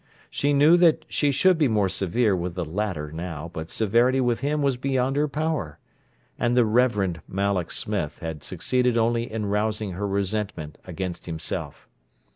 She knew that she should be more severe with the latter now, but severity with him was beyond her power; and the Reverend Malloch Smith had succeeded only in rousing her resentment against himself.